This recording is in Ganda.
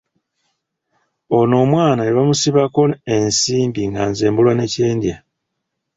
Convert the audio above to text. Ono omwana ne bamusibako ensimbi nga nze mbulwa ne kye ndya!